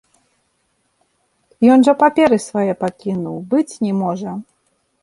Ён жа паперы свае пакінуў, быць не можа!